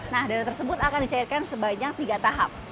nah data tersebut akan dicairkan sebajak tiga tahap